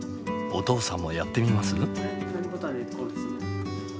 お父さんもやってみます？